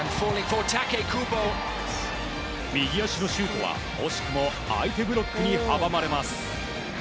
右足のシュートは、惜しくも相手ブロックに阻まれます。